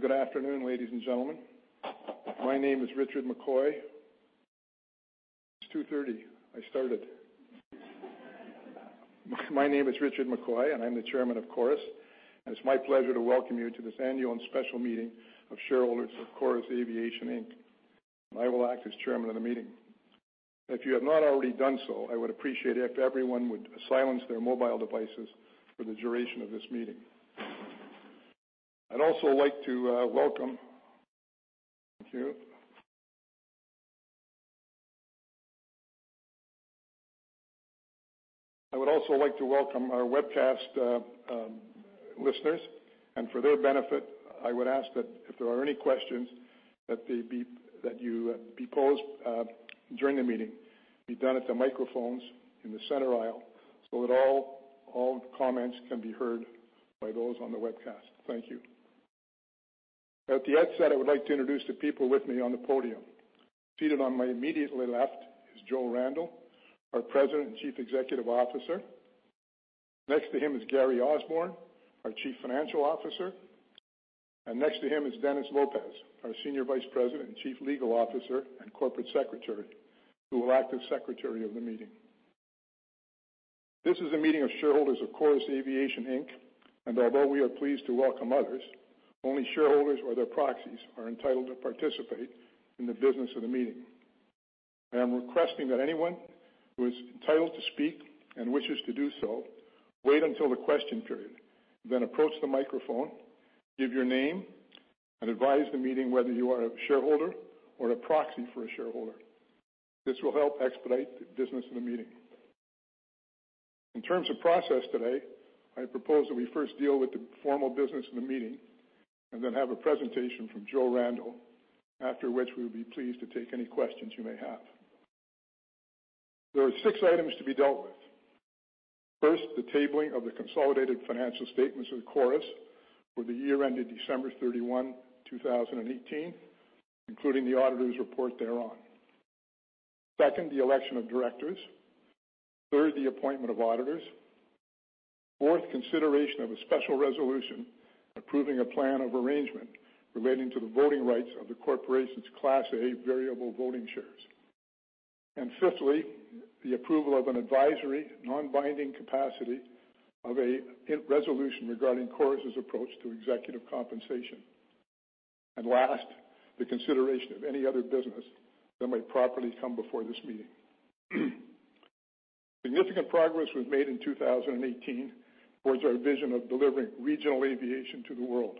Thank you, and good afternoon, ladies and gentlemen. My name is Richard McCoy. It's 2:30 P.M., I started. My name is Richard McCoy, and I'm the Chairman of Chorus, and it's my pleasure to welcome you to this annual and special meeting of shareholders of Chorus Aviation, Inc. I will act as chairman of the meeting. If you have not already done so, I would appreciate if everyone would silence their mobile devices for the duration of this meeting. I'd also like to welcome—Thank you. I would also like to welcome our webcast listeners, and for their benefit, I would ask that if there are any questions that they be posed during the meeting, be done at the microphones in the center aisle, so that all comments can be heard by those on the webcast. Thank you. At the outset, I would like to introduce the people with me on the podium. Seated on my immediately left is Joseph Randell, our President and Chief Executive Officer. Next to him is Gary Osborne, our Chief Financial Officer, and next to him is Dennis Lopes, our Senior Vice President and Chief Legal Officer and Corporate Secretary, who will act as Secretary of the meeting. This is a meeting of shareholders of Chorus Aviation Inc. Although we are pleased to welcome others, only shareholders or their proxies are entitled to participate in the business of the meeting. I am requesting that anyone who is entitled to speak and wishes to do so, wait until the question period, then approach the microphone, give your name, and advise the meeting whether you are a shareholder or a proxy for a shareholder. This will help expedite the business in the meeting. In terms of process today, I propose that we first deal with the formal business in the meeting and then have a presentation from Joseph Randell, after which we would be pleased to take any questions you may have. There are six items to be dealt with. First, the tabling of the consolidated financial statements of Chorus for the year ended December 31, 2018, including the auditor's report thereon. Second, the election of directors. Third, the appointment of auditors. Fourth, consideration of a special resolution, approving a plan of arrangement relating to the voting rights of the corporation's Class A Variable Voting Shares. And fifthly, the approval of an advisory, non-binding capacity of a resolution regarding Chorus's approach to executive compensation. And last, the consideration of any other business that might properly come before this meeting. Significant progress was made in 2018 towards our vision of delivering regional aviation to the world.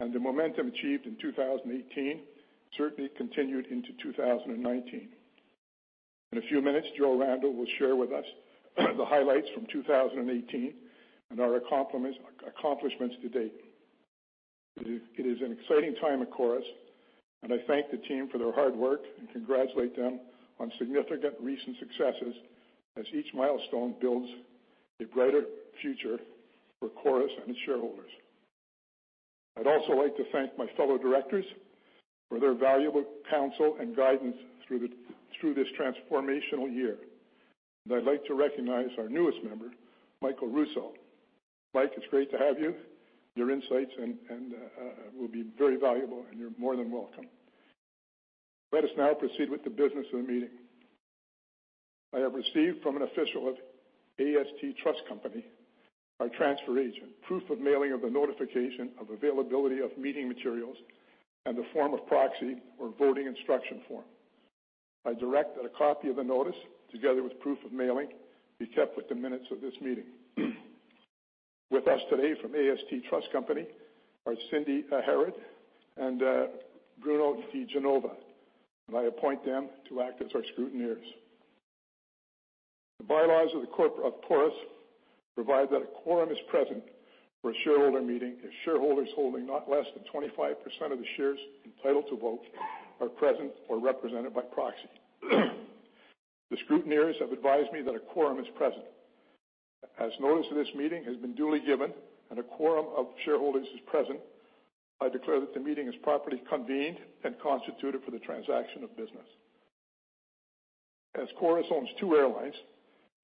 The momentum achieved in 2018 certainly continued into 2019. In a few minutes, Joe Randell will share with us the highlights from 2018 and our accomplishments to date. It is an exciting time at Chorus, and I thank the team for their hard work and congratulate them on significant recent successes as each milestone builds a brighter future for Chorus and its shareholders. I'd also like to thank my fellow directors for their valuable counsel and guidance through this transformational year. I'd like to recognize our newest Embraer, Michael Rousseau. Mike, it's great to have you. Your insights and will be very valuable, and you're more than welcome. Let us now proceed with the business of the meeting. I have received from an official of AST Trust Company, our transfer agent, proof of mailing of the notification of availability of meeting materials and the form of proxy or voting instruction form. I direct that a copy of the notice, together with proof of mailing, be kept with the minutes of this meeting. With us today from AST Trust Company are Cindy Harrott and Bruno Di Genova, and I appoint them to act as our scrutineers. The bylaws of the Corp of Chorus provide that a quorum is present for a shareholder meeting, if shareholders holding not less than 25% of the shares entitled to vote are present or represented by proxy. The scrutineers have advised me that a quorum is present. As notice of this meeting has been duly given and a quorum of shareholders is present, I declare that the meeting is properly convened and constituted for the transaction of business. As Chorus owns two airlines,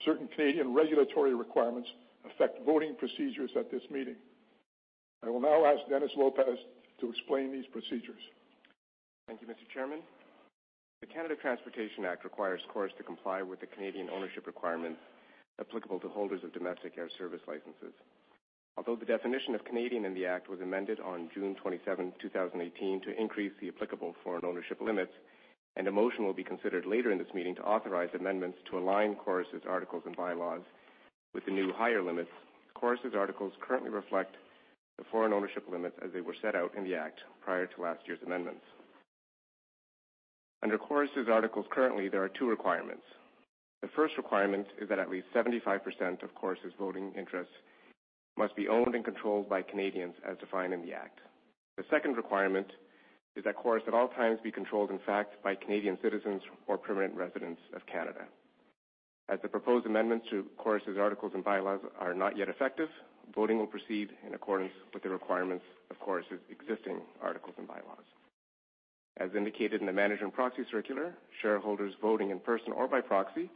certain Canadian regulatory requirements affect voting procedures at this meeting. I will now ask Dennis Lopes to explain these procedures. Thank you, Mr. Chairman. The Canada Transportation Act requires Chorus to comply with the Canadian ownership requirement applicable to holders of domestic air service licenses. Although the definition of Canadian in the act was amended on June 27, 2018, to increase the applicable foreign ownership limits, and a motion will be considered later in this meeting to authorize amendments to align Chorus's articles and bylaws with the new higher limits. Chorus's articles currently reflect the foreign ownership limits as they were set out in the act prior to last year's amendments. Under Chorus's articles, currently, there are two requirements. The first requirement is that at least 75% of Chorus's voting interests must be owned and controlled by Canadians, as defined in the act. The second requirement is that Chorus at all times, be controlled, in fact, by Canadian citizens or permanent residents of Canada. As the proposed amendments to Chorus's articles and bylaws are not yet effective, voting will proceed in accordance with the requirements of Chorus's existing articles and bylaws.... As indicated in the management proxy circular, shareholders voting in person or by proxy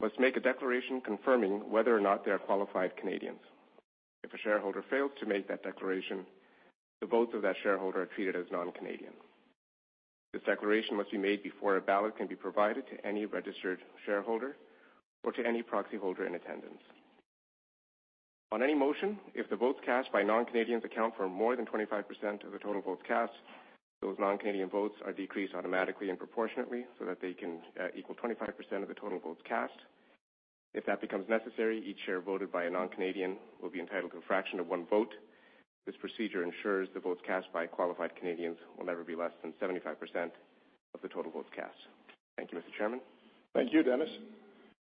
must make a declaration confirming whether or not they are qualified Canadians. If a shareholder fails to make that declaration, the votes of that shareholder are treated as non-Canadian. This declaration must be made before a ballot can be provided to any registered shareholder or to any proxy holder in attendance. On any motion, if the votes cast by non-Canadians account for more than 25% of the total votes cast, those non-Canadian votes are decreased automatically and proportionately so that they can equal 25% of the total votes cast. If that becomes necessary, each share voted by a non-Canadian will be entitled to a fraction of one vote. This procedure ensures the votes cast by qualified Canadians will never be less than 75% of the total votes cast. Thank you, Mr. Chairman. Thank you, Dennis.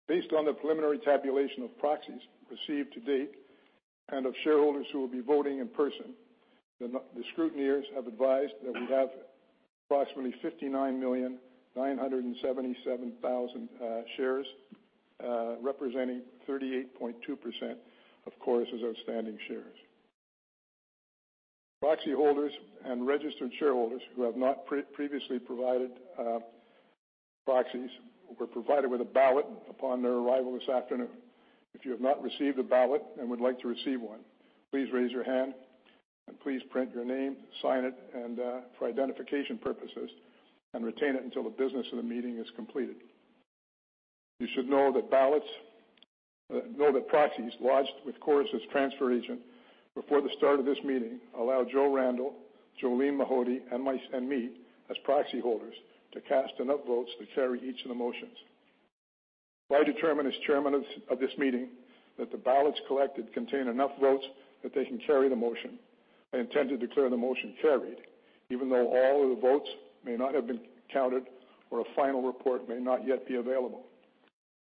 Based on the preliminary tabulation of proxies received to date and of shareholders who will be voting in person, the scrutineers have advised that we have approximately 59,977,000 shares, representing 38.2% of Chorus's outstanding shares. Proxy holders and registered shareholders who have not previously provided proxies were provided with a ballot upon their arrival this afternoon. If you have not received a ballot and would like to receive one, please raise your hand and please print your name, sign it, and for identification purposes, and retain it until the business of the meeting is completed. You should know that ballots and proxies lodged with Chorus's transfer agent before the start of this meeting allow Joe Randell, Jolene Mahody, and me, as proxy holders, to cast enough votes to carry each of the motions. If I determine as chairman of this meeting that the ballots collected contain enough votes that they can carry the motion, I intend to declare the motion carried, even though all of the votes may not have been counted or a final report may not yet be available.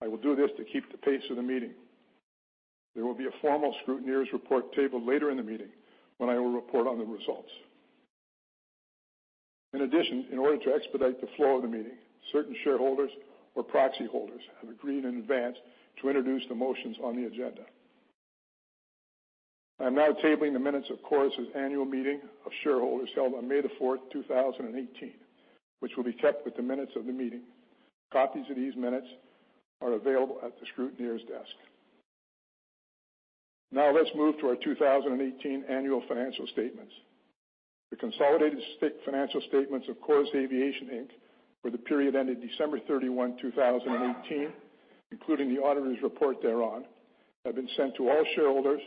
I will do this to keep the pace of the meeting. There will be a formal scrutineers' report tabled later in the meeting when I will report on the results. In addition, in order to expedite the flow of the meeting, certain shareholders or proxy holders have agreed in advance to introduce the motions on the agenda. I'm now tabling the minutes of Chorus's annual meeting of shareholders held on May 4, 2018, which will be kept with the minutes of the meeting. Copies of these minutes are available at the scrutineers' desk. Now, let's move to our 2018 annual financial statements. The consolidated audited financial statements of Chorus Aviation Inc. for the period ended December 31, 2018, including the auditor's report thereon, have been sent to all shareholders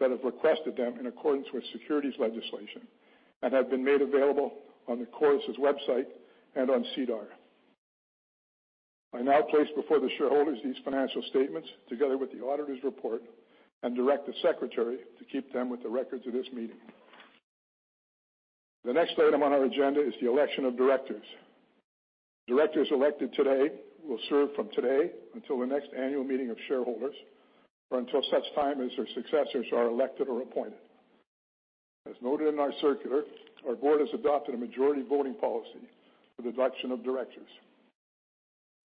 that have requested them in accordance with securities legislation and have been made available on the Chorus's website and on SEDAR. I now place before the shareholders these financial statements, together with the auditor's report, and direct the secretary to keep them with the records of this meeting. The next item on our agenda is the election of directors. Directors elected today will serve from today until the next annual meeting of shareholders, or until such time as their successors are elected or appointed. As noted in our circular, our board has adopted a majority voting policy for the election of directors.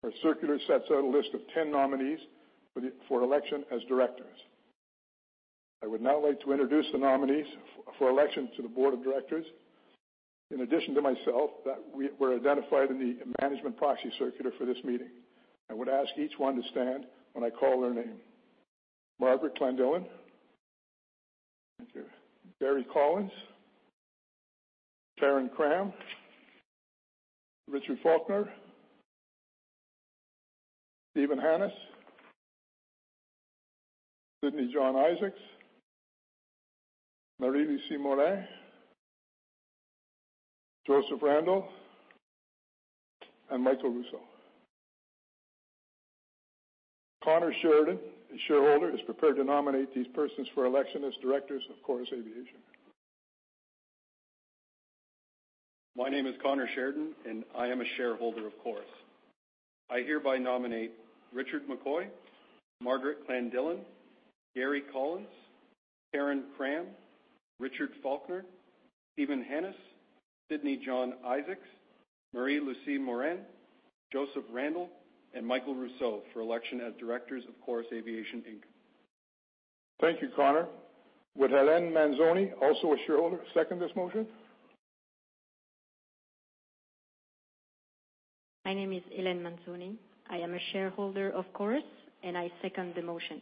Our circular sets out a list of ten nominees for election as directors. I would now like to introduce the nominees for election to the board of directors. In addition to myself, that were identified in the management proxy circular for this meeting, I would ask each one to stand when I call their name. Margaret Clandillon. Thank you. Gary Collins, Karen Cramm, Richard Falconer, R. Stephen Hannahs, Sydney John Isaacs, Marie-Lucie Morin, Joseph Randell, and Michael Rousseau. Conor Sheridan, a shareholder, is prepared to nominate these persons for election as directors of Chorus Aviation. My name is Conor Sheridan, and I am a shareholder of Chorus. I hereby nominate Richard McCoy, Margaret Clandillon, Gary Collins, Karen Cramm, Richard Falconer, R. Stephen Hannahs, Sydney John Isaacs, Marie-Lucie Morin, Joseph Randell, and Michael Rousseau for election as directors of Chorus Aviation, Inc. Thank you, Conor. Would Helene Manzoni, also a shareholder, second this motion? My name is Helene Manzoni. I am a shareholder of Chorus, and I second the motion.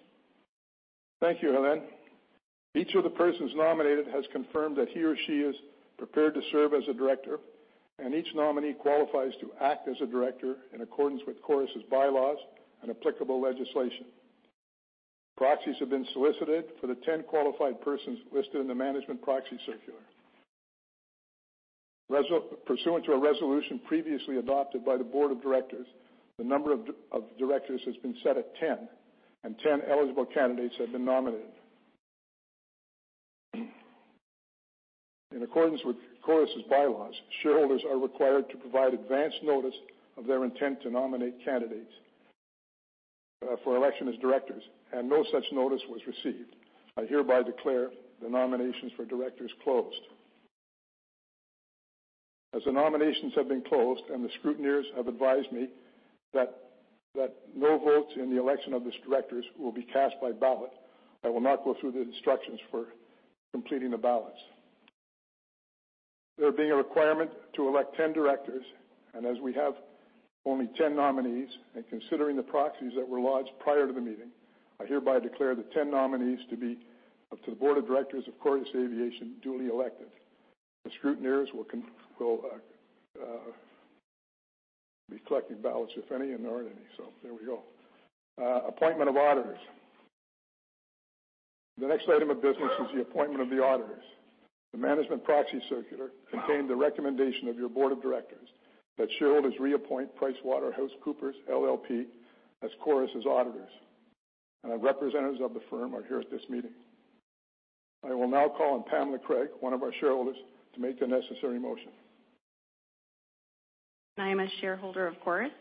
Thank you, Helene. Each of the persons nominated has confirmed that he or she is prepared to serve as a director, and each nominee qualifies to act as a director in accordance with Chorus's bylaws and applicable legislation. Proxies have been solicited for the 10 qualified persons listed in the management proxy circular. Pursuant to a resolution previously adopted by the board of directors, the number of directors has been set at 10, and 10 eligible candidates have been nominated. In accordance with Chorus's bylaws, shareholders are required to provide advance notice of their intent to nominate candidates for election as directors, and no such notice was received. I hereby declare the nominations for directors closed. As the nominations have been closed and the scrutineers have advised me that no votes in the election of these directors will be cast by ballot, I will not go through the instructions for voting completing the ballots. There being a requirement to elect ten directors, and as we have only ten nominees, and considering the proxies that were lodged prior to the meeting, I hereby declare the ten nominees to be up to the board of directors of Chorus Aviation duly elected. The scrutineers will be collecting ballots, if any, and there aren't any, so there we go. Appointment of auditors. The next item of business is the appointment of the auditors. The management proxy circular contained the recommendation of your board of directors that shareholders reappoint PricewaterhouseCoopers LLP as Chorus's auditors, and our representatives of the firm are here at this meeting. I will now call on Pamela Craig, one of our shareholders, to make the necessary motion. I am a shareholder of Chorus.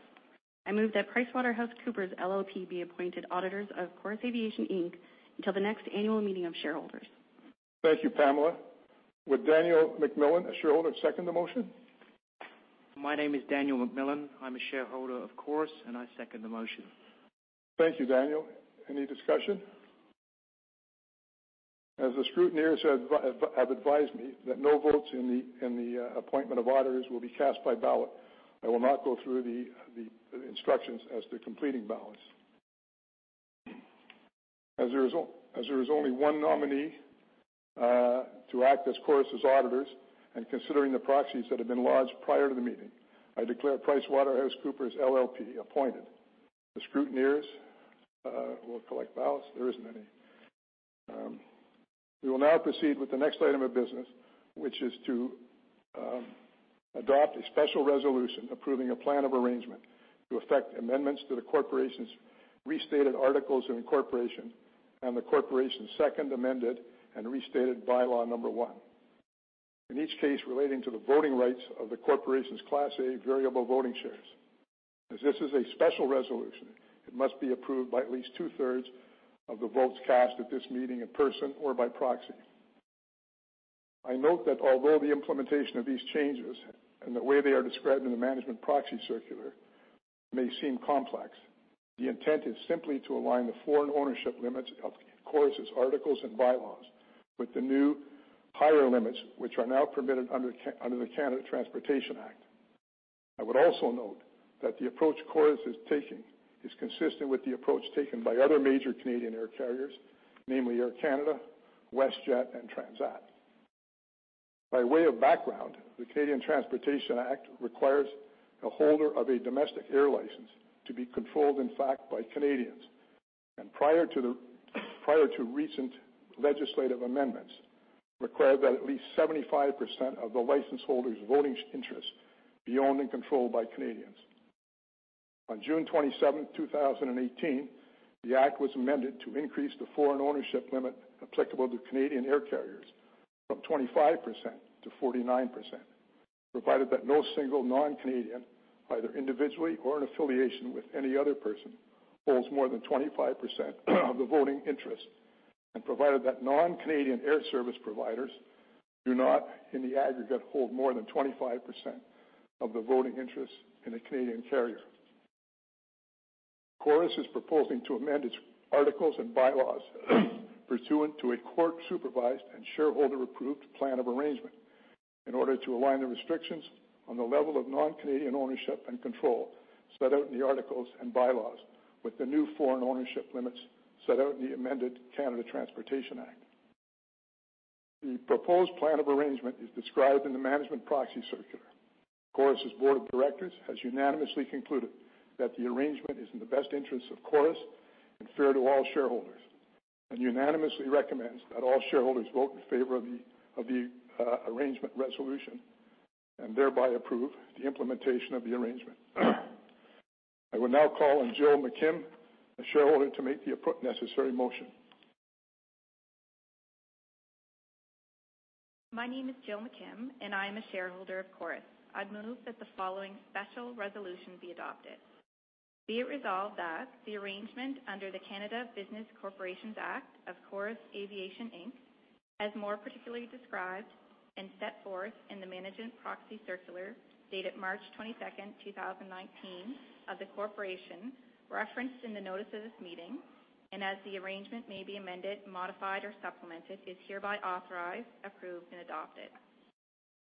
I move that PricewaterhouseCoopers LLP be appointed auditors of Chorus Aviation Inc. until the next annual meeting of shareholders. Thank you, Pamela. Would Daniel Macmillan, a shareholder, second the motion? My name is Daniel Macmillan. I'm a shareholder of Chorus, and I second the motion. Thank you, Daniel. Any discussion? As the scrutineers have advised me that no votes in the appointment of auditors will be cast by ballot, I will not go through the instructions as to completing ballots. As there is only one nominee to act as Chorus's auditors, and considering the proxies that have been lodged prior to the meeting, I declare PricewaterhouseCoopers LLP appointed. The scrutineers will collect ballots. There isn't any. We will now proceed with the next item of business, which is to adopt a special resolution approving a plan of arrangement to affect amendments to the corporation's restated articles of incorporation and the corporation's second amended and restated bylaw number one. In each case, relating to the voting rights of the corporation's Class A variable voting shares. As this is a special resolution, it must be approved by at least two-thirds of the votes cast at this meeting, in person or by proxy. I note that although the implementation of these changes and the way they are described in the management proxy circular may seem complex, the intent is simply to align the foreign ownership limits of Chorus's articles and bylaws with the new higher limits, which are now permitted under the Canada Transportation Act. I would also note that the approach Chorus is taking is consistent with the approach taken by other major Canadian air carriers, namely Air Canada, WestJet, and Transat. By way of background, the Canada Transportation Act requires a holder of a domestic air license to be controlled, in fact, by Canadians, and prior to recent legislative amendments, required that at least 75% of the license holder's voting interest be owned and controlled by Canadians. On June 27, 2018, the act was amended to increase the foreign ownership limit applicable to Canadian air carriers from 25% to 49%, provided that no single non-Canadian, either individually or in affiliation with any other person, holds more than 25% of the voting interest, and provided that non-Canadian air service providers do not, in the aggregate, hold more than 25% of the voting interest in a Canadian carrier. Chorus is proposing to amend its articles and bylaws pursuant to a court-supervised and shareholder-approved plan of arrangement in order to align the restrictions on the level of non-Canadian ownership and control set out in the articles and bylaws with the new foreign ownership limits set out in the amended Canada Transportation Act. The proposed plan of arrangement is described in the management proxy circular. Chorus's board of directors has unanimously concluded that the arrangement is in the best interest of Chorus and fair to all shareholders, and unanimously recommends that all shareholders vote in favor of the arrangement resolution and thereby approve the implementation of the arrangement. I will now call on Jill McKim, a shareholder, to make the necessary motion. My name is Jill McKim, and I am a shareholder of Chorus. I'd move that the following special resolution be adopted. Be it resolved that the arrangement under the Canada Business Corporations Act of Chorus Aviation Inc., as more particularly described and set forth in the management proxy circular dated March twenty-second, two thousand and nineteen, of the corporation, referenced in the notice of this meeting, and as the arrangement may be amended, modified, or supplemented, is hereby authorized, approved, and adopted.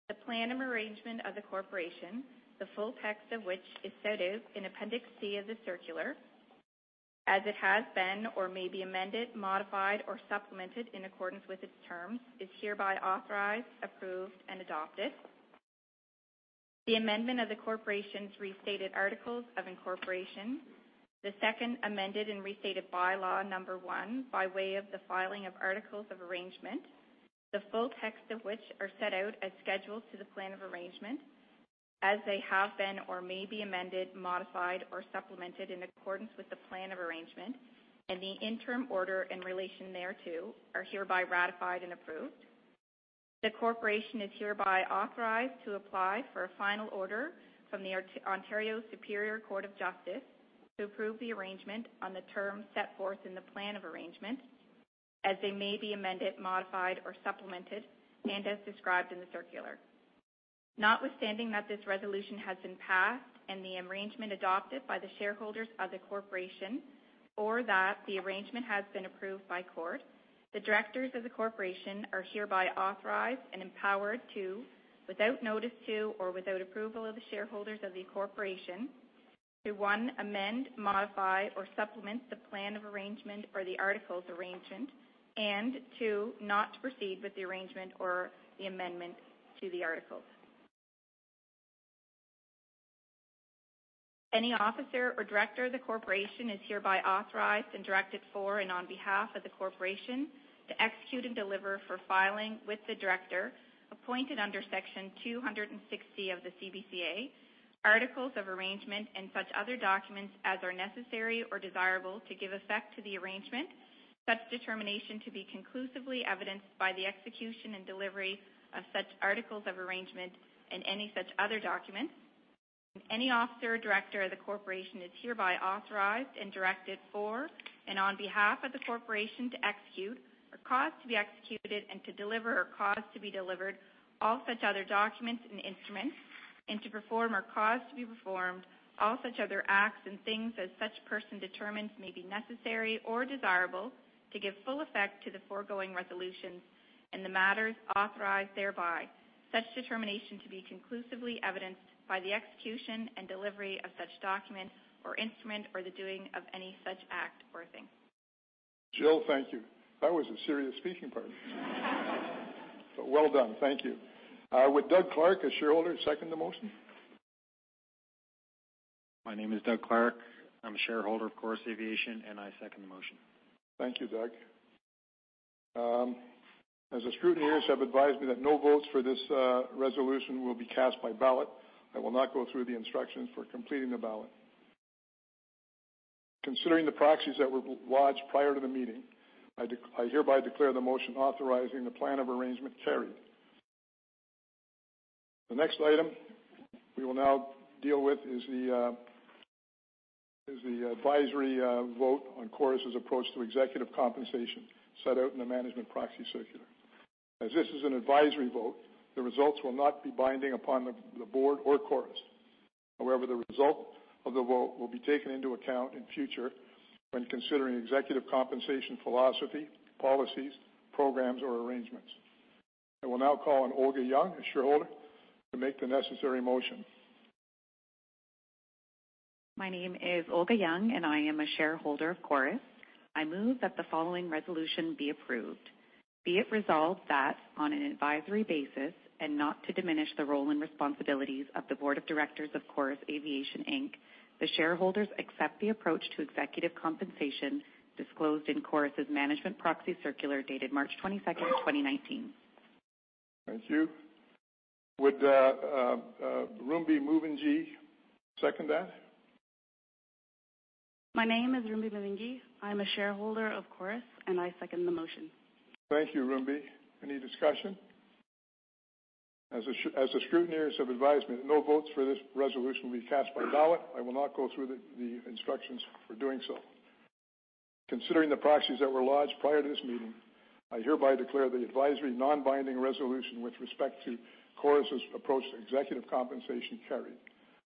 The plan of arrangement of the corporation, the full text of which is set out in Appendix C of the circular, as it has been or may be amended, modified, or supplemented in accordance with its terms, is hereby authorized, approved, and adopted. The amendment of the corporation's restated articles of incorporation, the second amended and restated bylaw number one, by way of the filing of articles of arrangement, the full text of which are set out as schedules to the plan of arrangement, as they have been or may be amended, modified, or supplemented in accordance with the plan of arrangement and the interim order in relation thereto, are hereby ratified and approved. The corporation is hereby authorized to apply for a final order from the Ontario Superior Court of Justice to approve the arrangement on the terms set forth in the plan of arrangement, as they may be amended, modified, or supplemented, and as described in the circular. Notwithstanding that this resolution has been passed and the arrangement adopted by the shareholders of the corporation, or that the arrangement has been approved by court, the directors of the corporation are hereby authorized and empowered to, without notice to or without approval of the shareholders of the corporation, to, one, amend, modify, or supplement the plan of arrangement or the articles of arrangement, and two, not to proceed with the arrangement or the amendment to the articles. Any officer or director of the corporation is hereby authorized and directed for and on behalf of the corporation to execute and deliver for filing with the director, appointed under Section 260 of the CBCA, articles of arrangement, and such other documents as are necessary or desirable to give effect to the arrangement. Such determination to be conclusively evidenced by the execution and delivery of such articles of arrangement and any such other documents. Any officer or director of the corporation is hereby authorized and directed for and on behalf of the corporation, to execute or cause, to be executed, and to deliver or cause to be delivered all such other documents and instruments, and to perform or cause, to be performed, all such other acts and things as such person determines may be necessary or desirable to give full effect to the foregoing resolutions and the matters authorized thereby. Such determination to be conclusively evidenced by the execution and delivery of such document or instrument, or the doing of any such act or thing. Jill, thank you. That was a serious speaking part. Well done. Thank you. Would Doug Clarke, a shareholder, second the motion? My name is Doug Clarke. I'm a shareholder of Chorus Aviation, and I second the motion. Thank you, Doug. As the scrutineers have advised me that no votes for this resolution will be cast by ballot, I will not go through the instructions for completing the ballot. Considering the proxies that were lodged prior to the meeting, I hereby declare the motion authorizing the plan of arrangement carried. The next item we will now deal with is the advisory vote on Chorus's approach to executive compensation set out in the management proxy circular. As this is an advisory vote, the results will not be binding upon the board or Chorus. However, the result of the vote will be taken into account in future when considering executive compensation, philosophy, policies, programs, or arrangements. I will now call on Olga Young, a shareholder, to make the necessary motion. My name is Olga Young, and I am a shareholder of Chorus. I move that the following resolution be approved. Be it resolved that on an advisory basis and not to diminish the role and responsibilities of the board of directors of Chorus Aviation Inc., the shareholders accept the approach to executive compensation disclosed in Chorus's management proxy circular, dated March 22, 2019. Thank you. Would Rumbi Muvunji second that? My name is Rumbi Muvunji. I'm a shareholder of Chorus, and I second the motion. Thank you, Rumbi. Any discussion? As the scrutineers have advised me that no votes for this resolution will be cast by ballot, I will not go through the instructions for doing so. Considering the proxies that were lodged prior to this meeting, I hereby declare the advisory non-binding resolution with respect to Chorus's approach to executive compensation carried,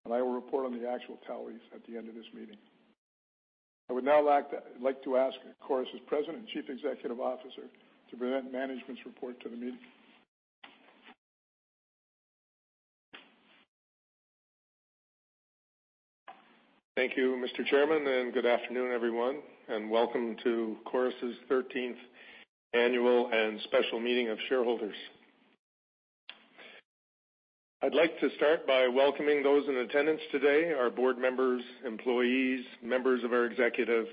and I will report on the actual tallies at the end of this meeting. I would now like to ask Chorus's President and Chief Executive Officer to present management's report to the meeting. Thank you, Mr. Chairman, and good afternoon, everyone, and welcome to Chorus's thirteenth Annual and Special Meeting of Shareholders. I'd like to start by welcoming those in attendance today, our board members, employees, members of our executive,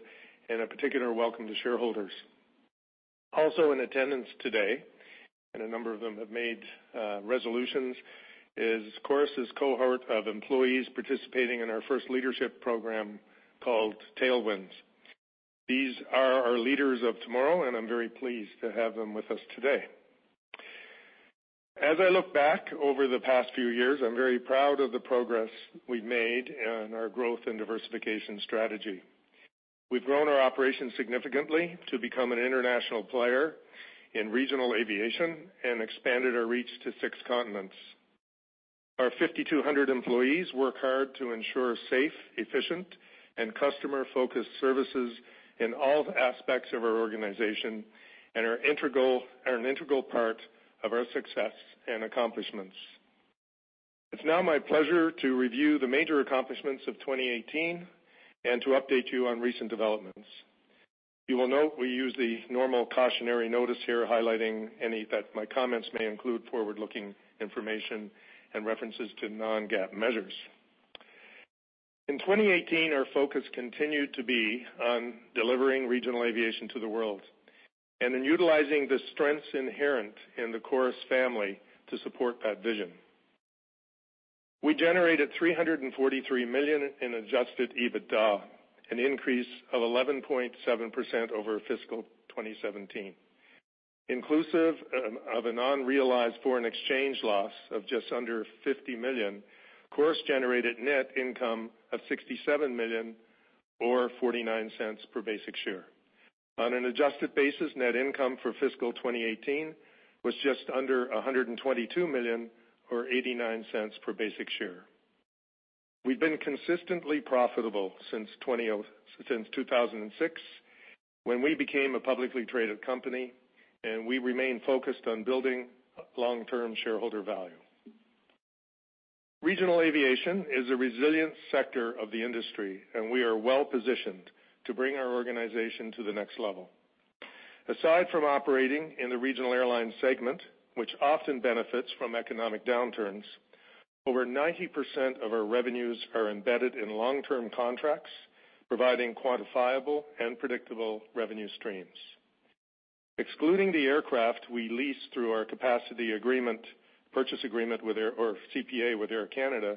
and a particular welcome to shareholders. Also in attendance today, and a number of them have made resolutions, is Chorus's cohort of employees participating in our first leadership program called Tailwinds. These are our leaders of tomorrow, and I'm very pleased to have them with us today. As I look back over the past few years, I'm very proud of the progress we've made and our growth and diversification strategy. We've grown our operations significantly to become an international player in regional aviation and expanded our reach to six continents. Our 5,200 employees work hard to ensure safe, efficient, and customer-focused services in all aspects of our organization and are an integral part of our success and accomplishments. It's now my pleasure to review the major accomplishments of 2018 and to update you on recent developments. You will note we use the normal cautionary notice here, highlighting any, that my comments may include forward-looking information and references to non-GAAP measures. In 2018, our focus continued to be on delivering regional aviation to the world and in utilizing the strengths inherent in the Chorus family to support that vision. We generated 343 million in adjusted EBITDA, an increase of 11.7% over fiscal 2017. Inclusive of an unrealized foreign exchange loss of just under 50 million, Chorus generated net income of 67 million or 0.49 per basic share. On an adjusted basis, net income for fiscal 2018 was just under 122 million, or 0.89 per basic share. We've been consistently profitable since 2006, when we became a publicly traded company, and we remain focused on building long-term shareholder value. Regional aviation is a resilient sector of the industry, and we are well-positioned to bring our organization to the next level. Aside from operating in the regional airline segment, which often benefits from economic downturns, over 90% of our revenues are embedded in long-term contracts, providing quantifiable and predictable revenue streams. Excluding the aircraft we lease through our capacity agreement, purchase agreement with Air or CPA with Air Canada,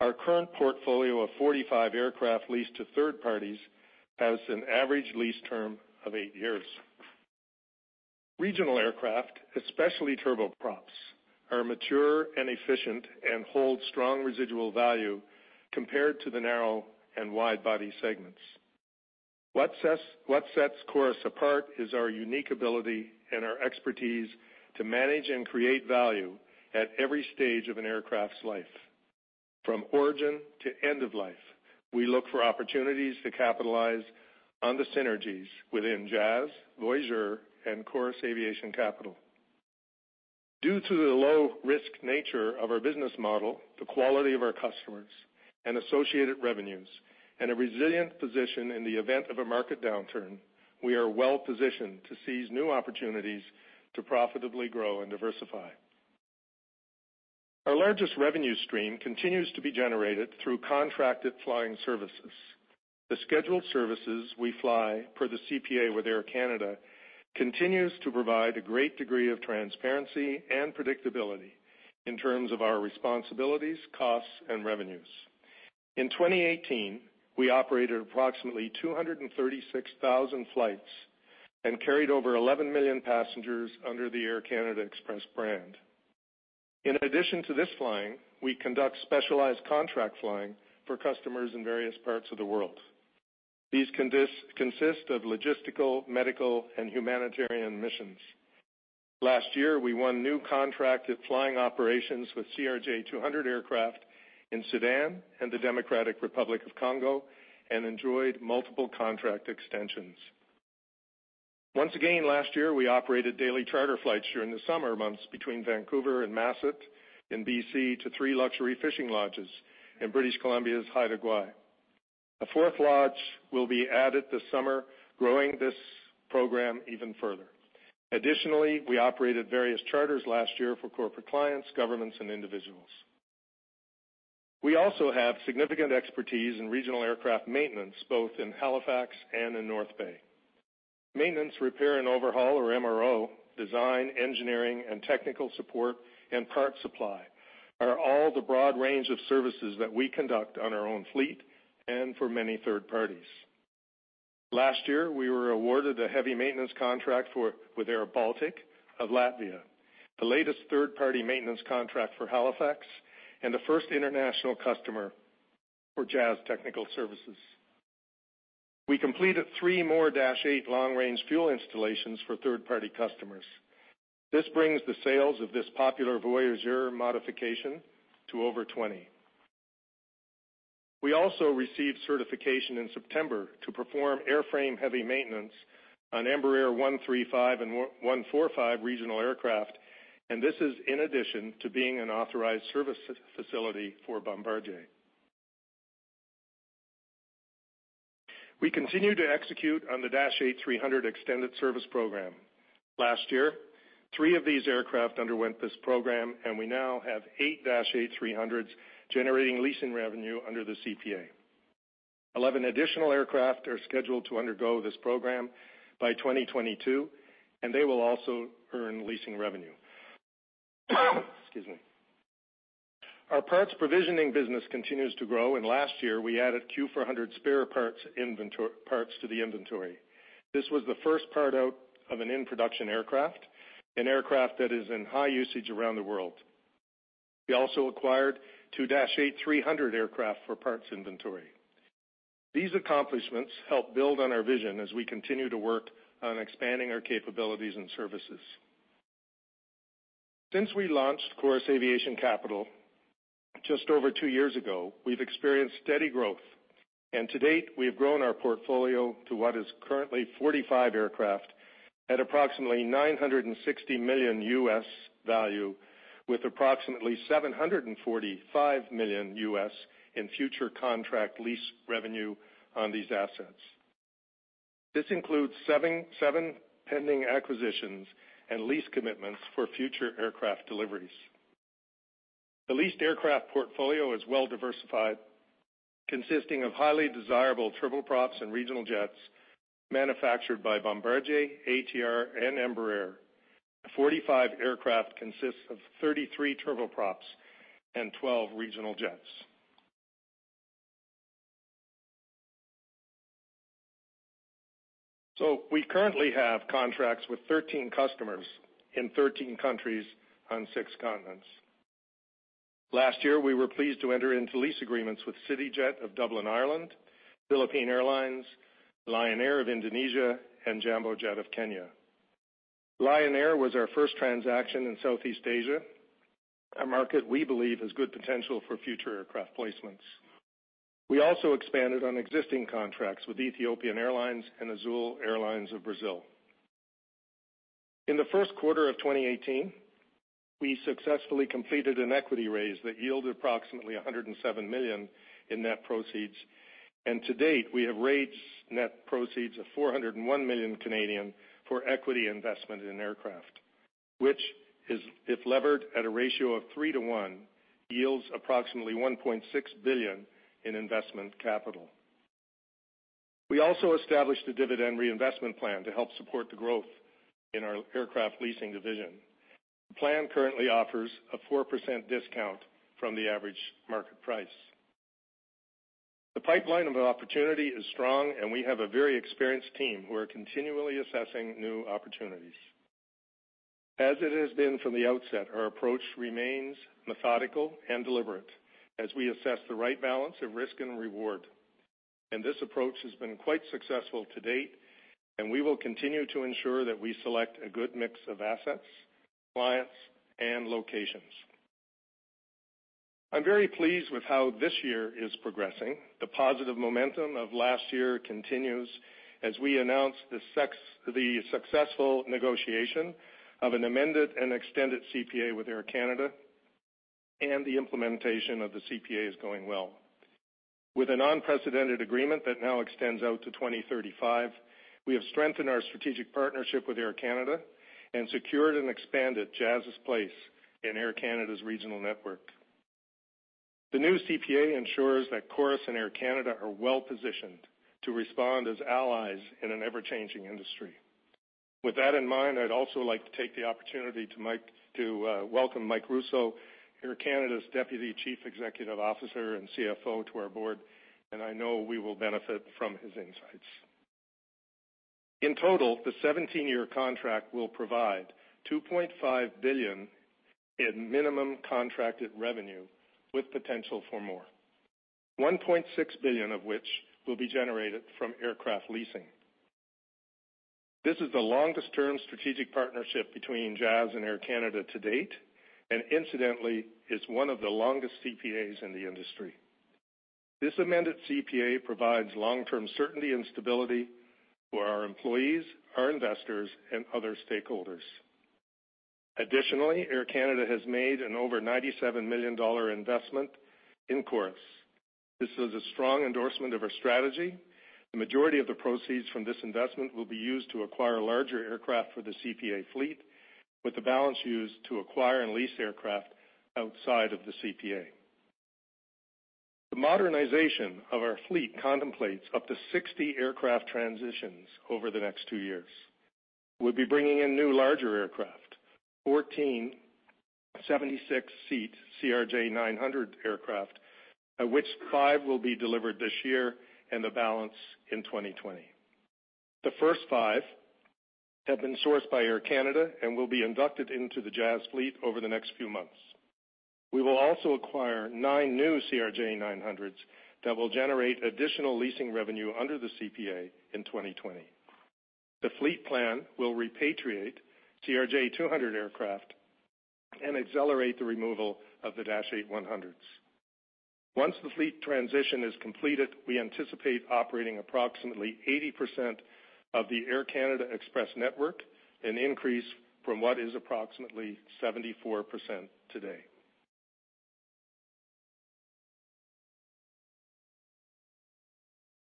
our current portfolio of 45 aircraft leased to third parties has an average lease term of 8 years. Regional aircraft, especially turboprops, are mature and efficient and hold strong residual value compared to the narrow and wide-body segments. What sets Chorus apart is our unique ability and our expertise to manage and create value at every stage of an aircraft's life. From origin to end of life, we look for opportunities to capitalize on the synergies within Jazz, Voyageur, and Chorus Aviation Capital. Due to the low-risk nature of our business model, the quality of our customers and associated revenues, and a resilient position in the event of a market downturn, we are well-positioned to seize new opportunities to profitably grow and diversify. Our largest revenue stream continues to be generated through contracted flying services. The scheduled services we fly per the CPA with Air Canada continues to provide a great degree of transparency and predictability in terms of our responsibilities, costs, and revenues. In 2018, we operated approximately 236,000 flights and carried over 11 million passengers under the Air Canada Express brand. In addition to this flying, we conduct specialized contract flying for customers in various parts of the world. These consist of logistical, medical, and humanitarian missions. Last year, we won new contracted flying operations with CRJ200 aircraft in Sudan and the Democratic Republic of Congo and enjoyed multiple contract extensions. Once again, last year, we operated daily charter flights during the summer months between Vancouver and Masset in BC to three luxury fishing lodges in British Columbia's Haida Gwaii. A fourth lodge will be added this summer, growing this program even further. Additionally, we operated various charters last year for corporate clients, governments, and individuals. We also have significant expertise in regional aircraft maintenance, both in Halifax and in North Bay. Maintenance, repair and overhaul, or MRO, design, engineering and technical support, and parts supply are all the broad range of services that we conduct on our own fleet and for many third parties. Last year, we were awarded a heavy maintenance contract with airBaltic of Latvia, the latest third-party maintenance contract for Halifax and the first international customer for Jazz Technical Services. We completed 3 more Dash 8 long-range fuel installations for third-party customers. This brings the sales of this popular Voyageur modification to over 20. We also received certification in September to perform airframe heavy maintenance on Embraer 135 and 145 regional aircraft, and this is in addition to being an authorized service facility for Bombardier. We continue to execute on the Dash 8-300 extended service program. Last year, 3 of these aircraft underwent this program, and we now have 8 Dash 8-300s generating leasing revenue under the CPA. 11 additional aircraft are scheduled to undergo this program by 2022, and they will also earn leasing revenue. Excuse me. Our parts provisioning business continues to grow, and last year we added Q400 spare parts inventory parts to the inventory. This was the first part out of an in-production aircraft, an aircraft that is in high usage around the world. We also acquired 2 Dash 8-300 aircraft for parts inventory. These accomplishments help build on our vision as we continue to work on expanding our capabilities and services. Since we launched Chorus Aviation Capital just over two years ago, we've experienced steady growth, and to date, we have grown our portfolio to what is currently 45 aircraft at approximately $960 million value, with approximately $745 million in future contract lease revenue on these assets. This includes 7 pending acquisitions and lease commitments for future aircraft deliveries. The leased aircraft portfolio is well diversified, consisting of highly desirable turboprops and regional jets manufactured by Bombardier, ATR and Embraer. 45 aircraft consists of 33 turboprops and 12 regional jets. So we currently have contracts with 13 customers in 13 countries on 6 continents. Last year, we were pleased to enter into lease agreements with CityJet of Dublin, Ireland, Philippine Airlines, Lion Air of Indonesia, and Jambojet of Kenya. Lion Air was our first transaction in Southeast Asia, a market we believe has good potential for future aircraft placements. We also expanded on existing contracts with Ethiopian Airlines and Azul Airlines of Brazil. In the first quarter of 2018, we successfully completed an equity raise that yielded approximately 107 million in net proceeds, and to date, we have raised net proceeds of 401 million Canadian dollars Canadian for equity investment in aircraft, which is, if levered at a ratio of 3:1, yields approximately 1.6 billion in investment capital. We also established a dividend reinvestment plan to help support the growth in our aircraft leasing division. The plan currently offers a 4% discount from the average market price. The pipeline of opportunity is strong, and we have a very experienced team who are continually assessing new opportunities. As it has been from the outset, our approach remains methodical and deliberate as we assess the right balance of risk and reward. And this approach has been quite successful to date, and we will continue to ensure that we select a good mix of assets, clients, and locations. I'm very pleased with how this year is progressing. The positive momentum of last year continues as we announce the successful negotiation of an amended and extended CPA with Air Canada, and the implementation of the CPA is going well. With an unprecedented agreement that now extends out to 2035, we have strengthened our strategic partnership with Air Canada and secured and expanded Jazz's place in Air Canada's regional network. The new CPA ensures that Chorus and Air Canada are well-positioned to respond as allies in an ever-changing industry. With that in mind, I'd also like to take the opportunity to welcome Mike Rousseau, Air Canada's Deputy Chief Executive Officer and CFO, to our board, and I know we will benefit from his insights. In total, the 17-year contract will provide 2.5 billion in minimum contracted revenue, with potential for more. 1.6 billion of which will be generated from aircraft leasing. This is the longest-term strategic partnership between Jazz and Air Canada to date, and incidentally, is one of the longest CPAs in the industry. This amended CPA provides long-term certainty and stability for our employees, our investors, and other stakeholders. Additionally, Air Canada has made an over 97 million dollar investment in Chorus. This is a strong endorsement of our strategy. The majority of the proceeds from this investment will be used to acquire larger aircraft for the CPA fleet, with the balance used to acquire and lease aircraft outside of the CPA. The modernization of our fleet contemplates up to 60 aircraft transitions over the next two years. We'll be bringing in new, larger aircraft, 14 76-seat CRJ900 aircraft, of which 5 will be delivered this year and the balance in 2020. The first 5 have been sourced by Air Canada and will be inducted into the Jazz fleet over the next few months. We will also acquire 9 new CRJ900s that will generate additional leasing revenue under the CPA in 2020. The fleet plan will repatriate CRJ200 aircraft and accelerate the removal of the Dash 8-100s. Once the fleet transition is completed, we anticipate operating approximately 80% of the Air Canada Express network, an increase from what is approximately 74% today.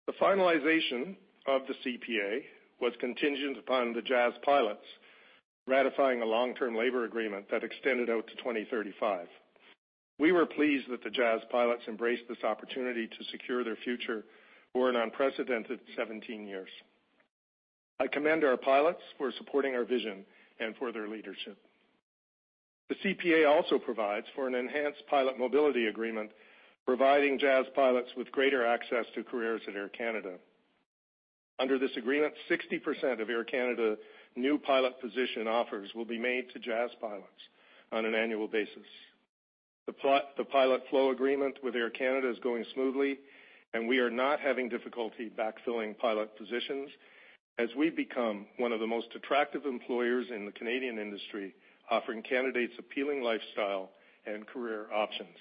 The finalization of the CPA was contingent upon the Jazz pilots ratifying a long-term labor agreement that extended out to 2035. We were pleased that the Jazz pilots embraced this opportunity to secure their future for an unprecedented 17 years. I commend our pilots for supporting our vision and for their leadership. The CPA also provides for an enhanced pilot mobility agreement, providing Jazz pilots with greater access to careers at Air Canada. Under this agreement, 60% of Air Canada new pilot position offers will be made to Jazz pilots on an annual basis. The pilot flow agreement with Air Canada is going smoothly, and we are not having difficulty backfilling pilot positions as we become one of the most attractive employers in the Canadian industry, offering candidates appealing lifestyle and career options.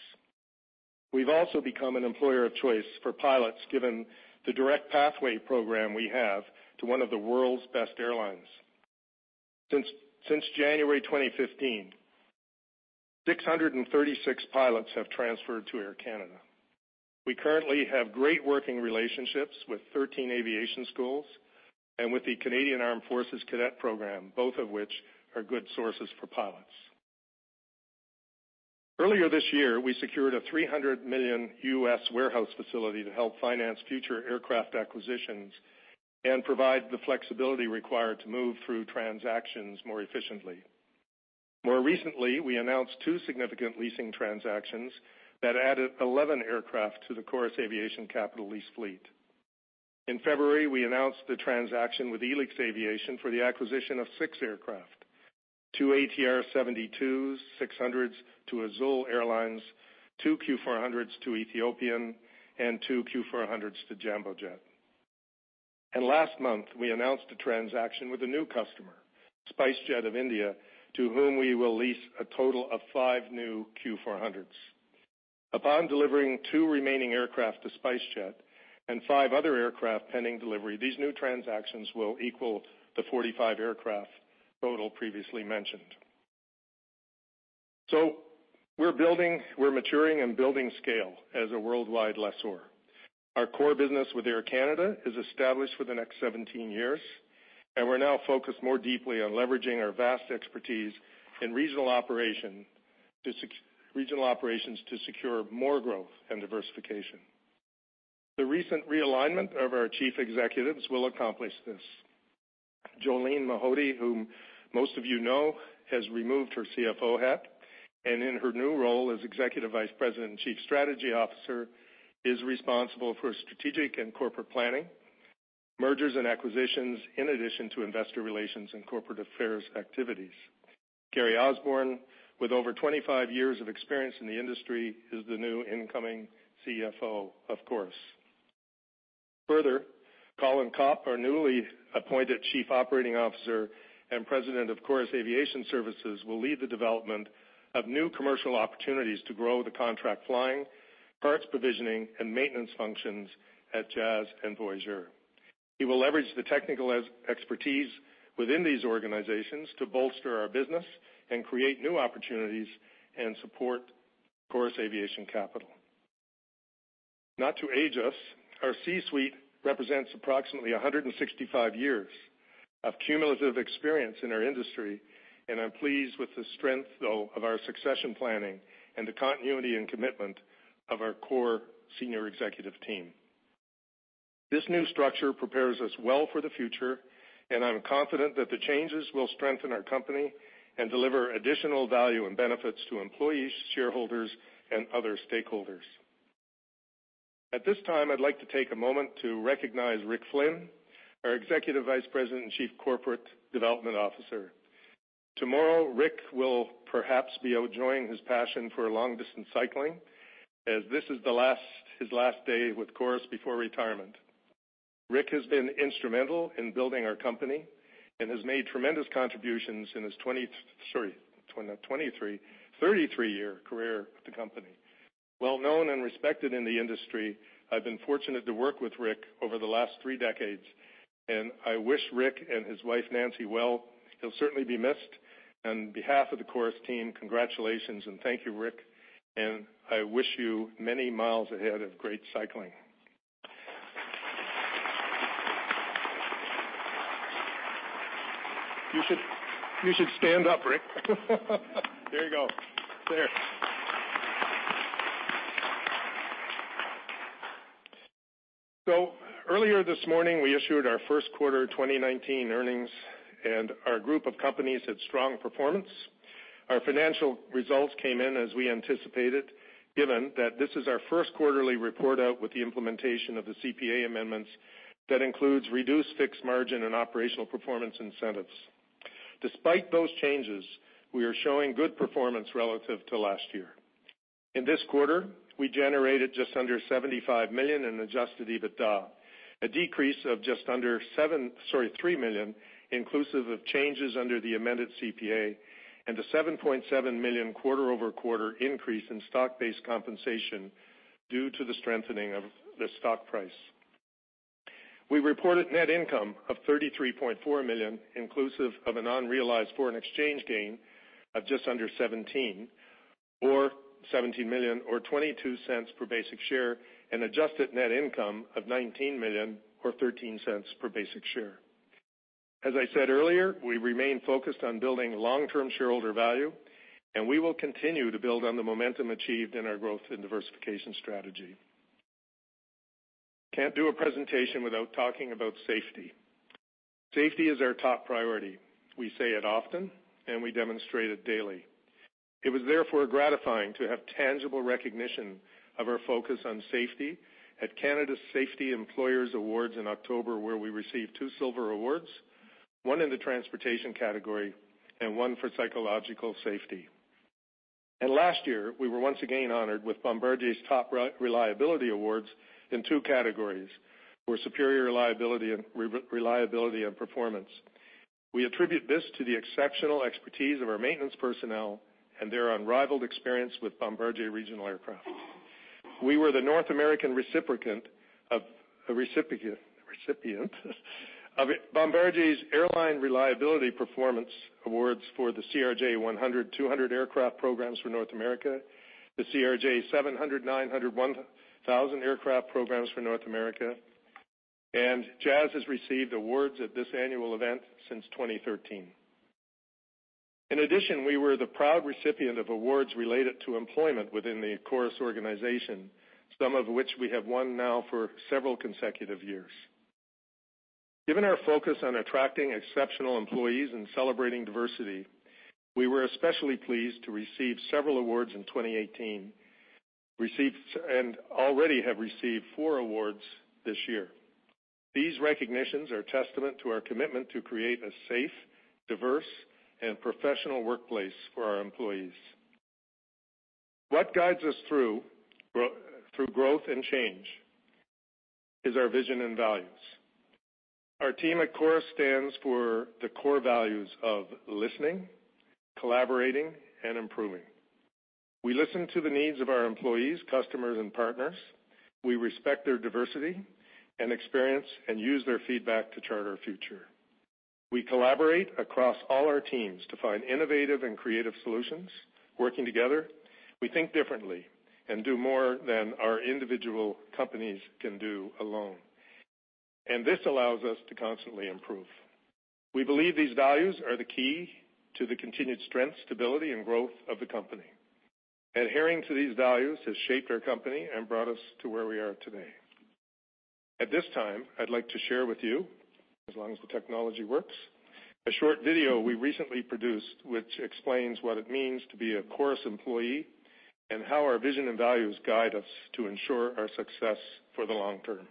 We've also become an employer of choice for pilots, given the direct pathway program we have to one of the world's best airlines. Since January 2015, 636 pilots have transferred to Air Canada. We currently have great working relationships with 13 aviation schools and with the Canadian Armed Forces Cadet Program, both of which are good sources for pilots. Earlier this year, we secured a $300 million warehouse facility to help finance future aircraft acquisitions and provide the flexibility required to move through transactions more efficiently. More recently, we announced two significant leasing transactions that added 11 aircraft to the Chorus Aviation Capital lease fleet. In February, we announced the transaction with Elix Aviation for the acquisition of six aircraft, two ATR 72-600s to Azul Airlines, two Q400s to Ethiopian Airlines, and two Q400s to Jambojet. Last month, we announced a transaction with a new customer, SpiceJet of India, to whom we will lease a total of five new Q400s. Upon delivering two remaining aircraft to SpiceJet and five other aircraft pending delivery, these new transactions will equal the 45 aircraft total previously mentioned. So we're building - we're maturing and building scale as a worldwide lessor. Our core business with Air Canada is established for the next 17 years, and we're now focused more deeply on leveraging our vast expertise in regional operation to regional operations to secure more growth and diversification. The recent realignment of our chief executives will accomplish this. Jolene Mahody, whom most of you know, has removed her CFO hat, and in her new role as Executive Vice President and Chief Strategy Officer, is responsible for strategic and corporate planning, mergers and acquisitions, in addition to investor relations and corporate affairs activities. Gary Osborne, with over 25 years of experience in the industry, is the new incoming CFO, of course. Further, Colin Copp, our newly appointed Chief Operating Officer and President of Chorus Aviation Services, will lead the development of new commercial opportunities to grow the contract flying, parts, provisioning, and maintenance functions at Jazz and Voyageur. He will leverage the technical expertise within these organizations to bolster our business and create new opportunities and support Chorus Aviation Capital. Not to age us, our C-suite represents approximately 165 years of cumulative experience in our industry, and I'm pleased with the strength, though, of our succession planning and the continuity and commitment of our core senior executive team. This new structure prepares us well for the future, and I'm confident that the changes will strengthen our company and deliver additional value and benefits to employees, shareholders, and other stakeholders. At this time, I'd like to take a moment to recognize Rick Flynn, our Executive Vice President and Chief Corporate Development Officer. Tomorrow, Rick will perhaps be out enjoying his passion for long-distance cycling, as this is the last - his last day with Chorus before retirement. Rick has been instrumental in building our company and has made tremendous contributions in his 20, sorry, 23, 33-year career at the company. Well known and respected in the industry, I've been fortunate to work with Rick over the last three decades, and I wish Rick and his wife, Nancy, well. He'll certainly be missed, and on behalf of the Chorus team, congratulations and thank you, Rick, and I wish you many miles ahead of great cycling. You should, you should stand up, Rick. There you go. There. So earlier this morning, we issued our first quarter 2019 earnings, and our group of companies had strong performance. Our financial results came in as we anticipated, given that this is our first quarterly report out with the implementation of the CPA amendments, that includes reduced fixed margin and operational performance incentives. Despite those changes, we are showing good performance relative to last year. In this quarter, we generated just under 75 million in adjusted EBITDA, a decrease of just under seven, sorry, 3 million, inclusive of changes under the amended CPA and a 7.7 million quarter-over-quarter increase in stock-based compensation due to the strengthening of the stock price. We reported net income of 33.4 million, inclusive of an unrealized foreign exchange gain of just under 17 million or 17 million, or 0.22 per basic share, and adjusted net income of 19 million or 0.13 per basic share. As I said earlier, we remain focused on building long-term shareholder value, and we will continue to build on the momentum achieved in our growth and diversification strategy. Can't do a presentation without talking about safety. Safety is our top priority. We say it often, and we demonstrate it daily. It was therefore gratifying to have tangible recognition of our focus on safety at Canada's Safest Employers Awards in October, where we received two silver awards, one in the transportation category and one for psychological safety. And last year, we were once again honored with Bombardier's top reliability awards in two categories for superior reliability and reliability and performance. We attribute this to the exceptional expertise of our maintenance personnel and their unrivaled experience with Bombardier Regional Aircraft. We were the North American recipient of Bombardier's Airline Reliability Performance Awards for the CRJ100, 200 aircraft programs for North America, the CRJ700, 900, 1000 aircraft programs for North America, and Jazz has received awards at this annual event since 2013. In addition, we were the proud recipient of awards related to employment within the Chorus organization, some of which we have won now for several consecutive years. Given our focus on attracting exceptional employees and celebrating diversity, we were especially pleased to receive several awards in 2018, received and already have received four awards this year. These recognitions are a testament to our commitment to create a safe, diverse and professional workplace for our employees. What guides us through growth and change is our vision and values. Our team at Chorus stands for the core values of listening, collaborating, and improving. We listen to the needs of our employees, customers, and partners. We respect their diversity and experience and use their feedback to chart our future. We collaborate across all our teams to find innovative and creative solutions. Working together, we think differently and do more than our individual companies can do alone, and this allows us to constantly improve. We believe these values are the key to the continued strength, stability and growth of the company. Adhering to these values has shaped our company and brought us to where we are today. At this time, I'd like to share with you, as long as the technology works, a short video we recently produced, which explains what it means to be a Chorus employee and how our vision and values guide us to ensure our success for the long term.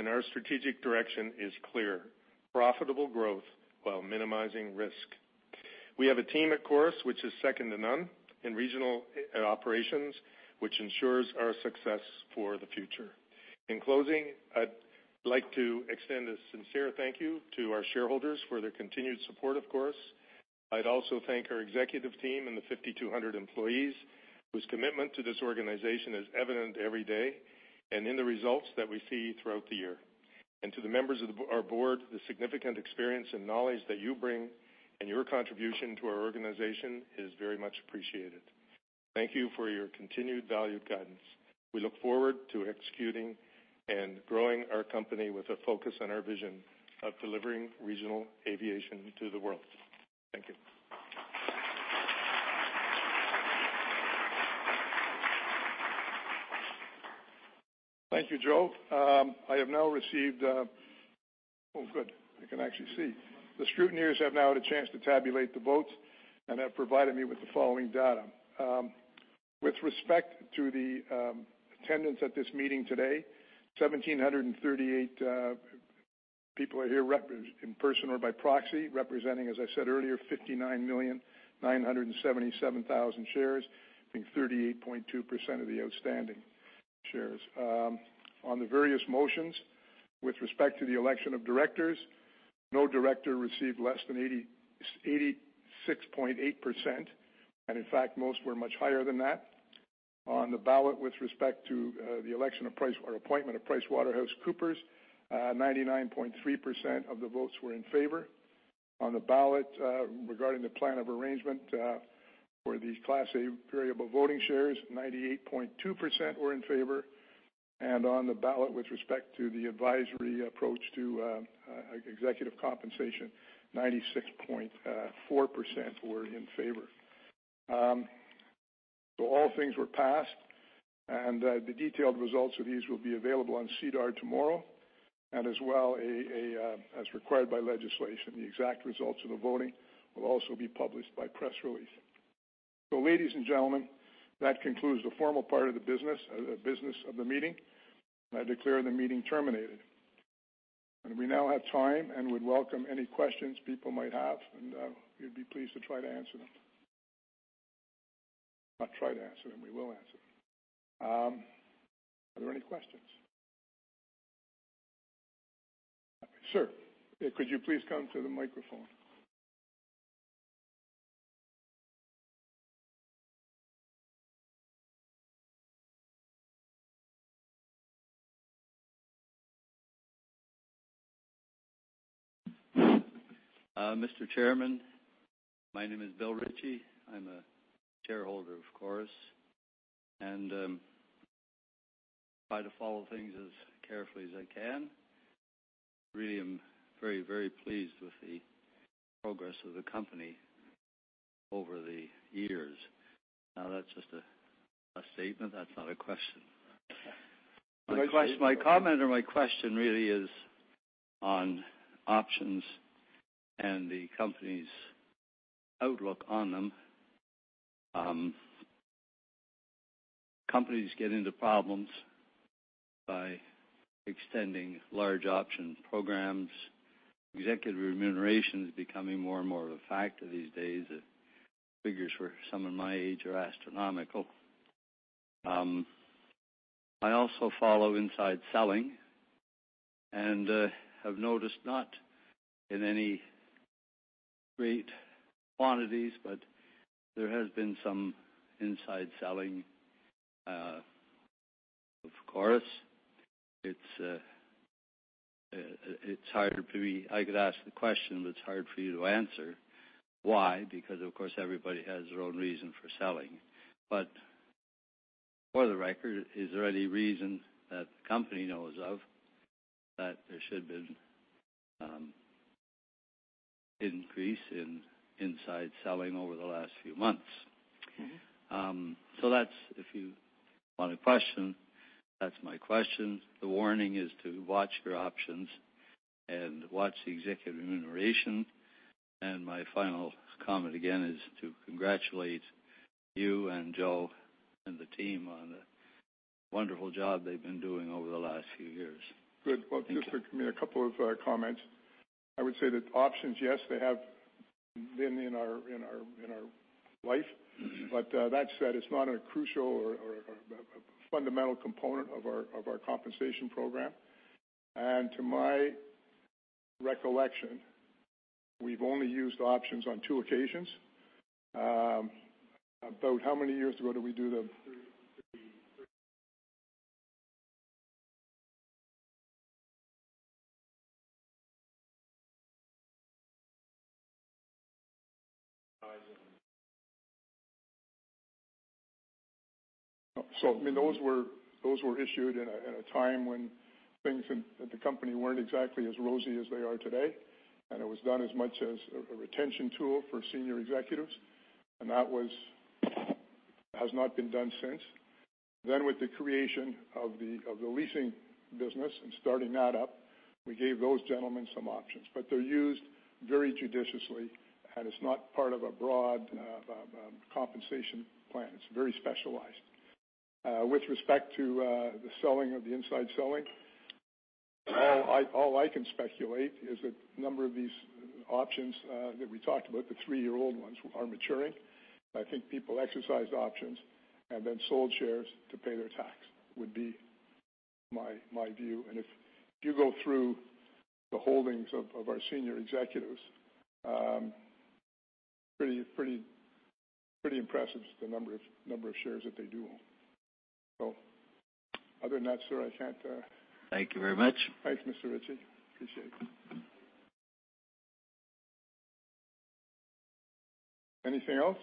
our strategic direction is clear: profitable growth while minimizing risk. We have a team at Chorus which is second to none in regional operations, which ensures our success for the future. In closing, I'd like to extend a sincere thank you to our shareholders for their continued support of Chorus. I'd also thank our executive team and the 5,200 employees, whose commitment to this organization is evident every day and in the results that we see throughout the year. And to the members of our board, the significant experience and knowledge that you bring and your contribution to our organization is very much appreciated. Thank you for your continued valued guidance. We look forward to executing and growing our company with a focus on our vision of delivering regional aviation to the world. Thank you. Thank you, Joe. I have now received... Oh, good, I can actually see. The scrutineers have now had a chance to tabulate the votes and have provided me with the following data. With respect to the attendance at this meeting today, 1,738 people are here in person or by proxy, representing, as I said earlier, 59,977,000 shares, being 38.2% of the outstanding shares. On the various motions with respect to the election of directors, no director received less than 86.8%, and in fact, most were much higher than that. On the ballot with respect to the appointment of PricewaterhouseCoopers, 99.3% of the votes were in favor. On the ballot, regarding the plan of arrangement, for the Class A variable voting shares, 98.2% were in favor. And on the ballot, with respect to the advisory approach to executive compensation, 96.4% were in favor. So all things were passed, and the detailed results of these will be available on SEDAR tomorrow, and as well, as required by legislation, the exact results of the voting will also be published by press release. So ladies and gentlemen, that concludes the formal part of the business, the business of the meeting, and I declare the meeting terminated. And we now have time and would welcome any questions people might have and, we'd be pleased to try to answer them. Not try to answer them, we will answer them. Are there any questions? Sir, could you please come to the microphone? Mr. Chairman, my name is Bill Ritchie. I'm a shareholder, of course, and I try to follow things as carefully as I can. Really, I'm very, very pleased with the progress of the company over the years. Now, that's just a statement. That's not a question. My comment or my question really is on options and the company's outlook on them. Companies get into problems by extending large options programs. Executive remuneration is becoming more and more of a factor these days. The figures for someone my age are astronomical. I also follow insider selling and have noticed, not in any great quantities, but there has been some insider selling. Of course, it's hard to be... I could ask the question, but it's hard for you to answer why, because, of course, everybody has their own reason for selling. For the record, is there any reason that the company knows of that there should have been, increase in inside selling over the last few months? That's if you want a question, that's my question. The warning is to watch your options and watch the executive remuneration. My final comment, again, is to congratulate you and Joe and the team on the wonderful job they've been doing over the last few years. Good. Well, just to make a couple of comments. I would say that options, yes, they have been in our life, but that said, it's not a crucial or fundamental component of our compensation program. And to my recollection, we've only used options on two occasions. About how many years ago did we do the- Three. So, I mean, those were issued in a time when things at the company weren't exactly as rosy as they are today, and it was done as much as a retention tool for senior executives, and that has not been done since. Then, with the creation of the leasing business and starting that up, we gave those gentlemen some options, but they're used very judiciously, and it's not part of a broad compensation plan. It's very specialized. With respect to the selling of the inside selling, all I can speculate is that a number of these options that we talked about, the three-year-old ones, are maturing. I think people exercised options and then sold shares to pay their tax, would be my view. If you go through the holdings of our senior executives, pretty, pretty, pretty impressive, the number of shares that they do own. Other than that, sir, I can't- Thank you very much. Thanks, Mr. Ritchie. Appreciate it. Anything else?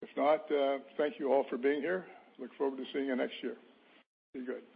If not, thank you all for being here. Look forward to seeing you next year. Be good.